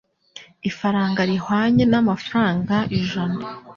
Ifaranga rihwanye n'amafaranga ijana.